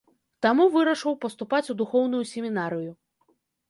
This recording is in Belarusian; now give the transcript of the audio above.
Таму вырашыў паступаць у духоўную семінарыю.